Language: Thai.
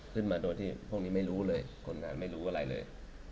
ขึ้นมาโดยที่พวกนี้ไม่รู้เลยคนงานไม่รู้อะไรเลย